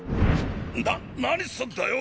⁉な何すんだよ！